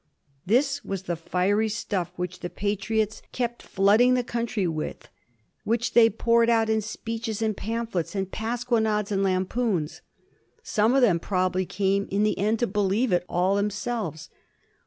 This was the fiery stuff which the Patriots kept flood 160 A HISTORY OP THE FOUR GEORGES. ch. xxxi, ing the oountiy with; which they poured out in speeches and pamphlets^ and pasquinades and lampoons. Some of them probably came in the end to believe it all them selves.